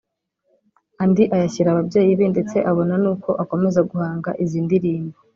andi ayashyira ababyeyi be ndetse abona n’uko akomeza guhanga izindi ndirimbo